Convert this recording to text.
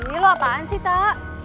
ih lu apaan sih tak